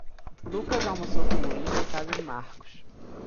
Lucas almoçou com Luiz na casa de Marcos.